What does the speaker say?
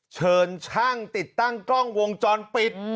เชิญช่างติดตั้งกล้องวงจรปิด